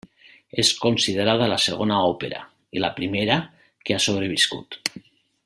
És considerada la segona òpera, i la primera que ha sobreviscut.